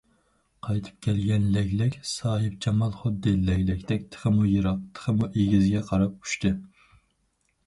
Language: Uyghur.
قايتىپ كەلگەن لەگلەك ساھىبجامال خۇددى لەگلەكتەك تېخىمۇ يىراق، تېخىمۇ ئېگىزگە قاراپ ئۇچتى.